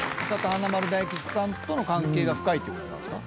華丸・大吉さんとの関係が深いってことなんですか？